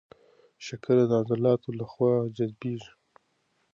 شکر د عضلاتو له خوا جذبېږي.